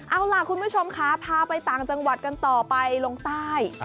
เอาล่ะคุณผู้ชมค่ะพาไปต่างจังหวัดกันต่อไปลงใต้